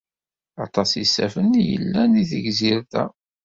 Aṭas isaffen i yellan deg tegzirt-a.